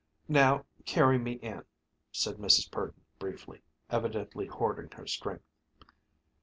"Now carry me in," said Mrs. Purdon briefly, evidently hoarding her strength.